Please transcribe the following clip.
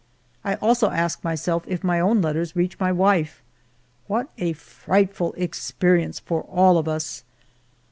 I also ask myself if my own letters reach my wife. What a frightful experience for all of us